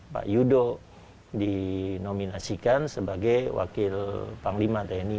pak yudo dinominasikan sebagai wakil panglima tni